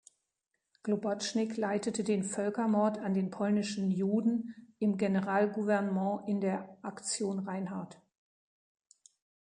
Globocnik leitete den Völkermord an den polnischen Juden im Generalgouvernement in der „Aktion Reinhardt“.